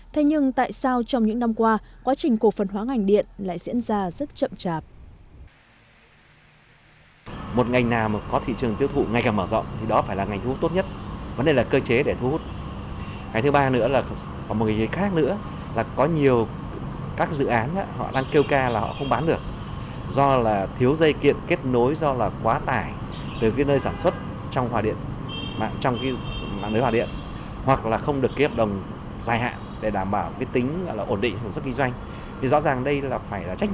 thế nhưng tại sao trong những năm qua quá trình cổ phần hóa ngành điện lại diễn ra rất chậm chạp